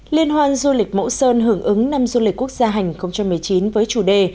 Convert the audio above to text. liên hoan du lịch mẫu sơn hưởng ứng năm du lịch quốc gia hành một mươi chín với chủ đề